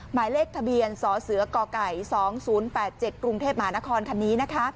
หมายเลขทะเบียนสเสก๒๐๘๗กรุงเทพมหานครคันนี้นะคะ